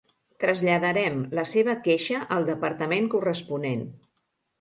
Traslladarem la seva queixa al departament corresponent.